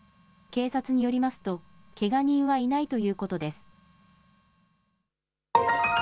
警察によりますと、けが人はいないということです。